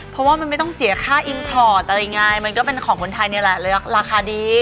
เพราะว่ามันไม่ต้องเสียค่าอินพอร์ตอะไรไงมันก็เป็นของคนไทยนี่แหละราคาดี